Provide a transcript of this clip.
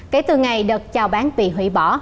kể từ ngày đợt chào bán bị hủy bỏ